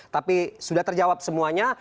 tapi sudah terjawab semuanya